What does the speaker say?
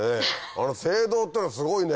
あの声道っていうのはすごいね。